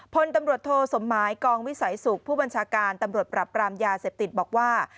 พลตำรวจโทสมหมายกองวิสัยสุขผู้บัญชาการตำรวจปรับปรามยาเสพติดบอกว่า